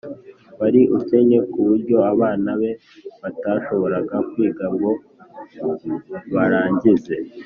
wari ukennye, ku buryo abana be batashoboraga kwiga ngo barangize